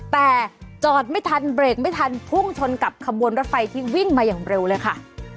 แต่จอดไม่ทันเบรกไม่ทันพุ่งชนกับขบวนรถไฟที่วิ่งมาอย่างเร็วเลยค่ะ